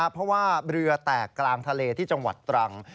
เพราะว่าเรือแตกกลางทะเลที่จังหวัดตรัง